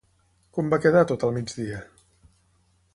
Com va quedar tot al migdia?